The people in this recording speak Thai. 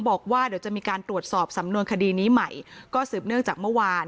บอกว่าเดี๋ยวจะมีการตรวจสอบสำนวนคดีนี้ใหม่ก็สืบเนื่องจากเมื่อวาน